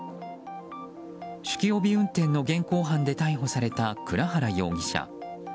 酒気帯び運転の現行犯逮捕で逮捕された倉原容疑者。